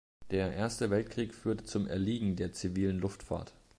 Der Erste Weltkrieg führte zum Erliegen der zivilen Luftfahrt.